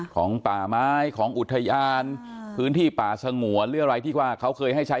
ของป่าไม้ของอุทยานพื้นที่ป่าสงวนหรืออะไรที่ว่าเขาเคยให้ใช้